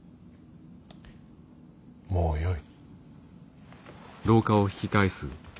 もうよい。